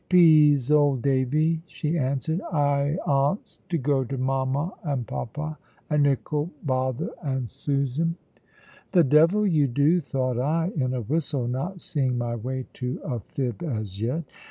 "Pease, old Davy," she answered, "I 'ants to go to mama and papa, and ickle bother and Susan." "The devil you do!" thought I, in a whistle, not seeing my way to a fib as yet.